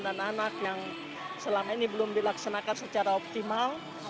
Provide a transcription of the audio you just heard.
dan anak yang selama ini belum dilaksanakan secara optimal